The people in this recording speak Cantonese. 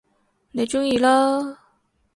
你鍾意啦